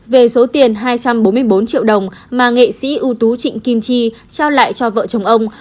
về số tiền hai trăm bốn mươi bốn triệu đồng mà nghệ sĩ ưu tú trịnh kim chi trao lại cho vợ chồng ông